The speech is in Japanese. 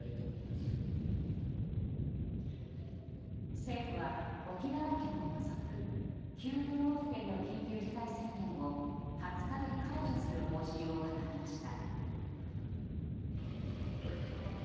政府は沖縄県を除く９都道府県の緊急事態宣言を２０日で解除する方針を固めました。